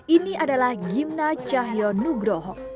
ini adalah gimna cahyonugroho